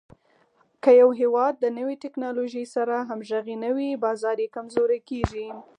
که یو هېواد د نوې ټکنالوژۍ سره همغږی نه وي، بازار یې کمزوری کېږي.